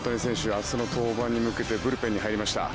明日の登板に向けてブルペンに入りました。